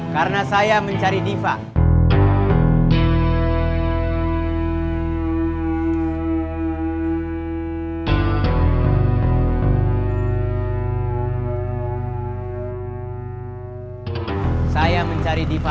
karena saya mencari diva